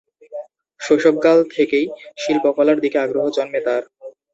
শৈশবকাল থেকেই শিল্পকলার দিকে আগ্রহ জন্মে তাঁর।